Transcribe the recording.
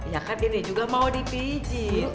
ya kan ini juga mau dipiji